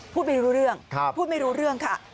พูดไม่รู้เรื่องพูดไม่รู้เรื่องค่ะ